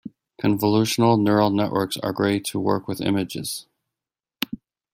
Convolutional Neural Networks are great to work with images.